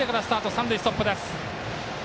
三塁ストップです。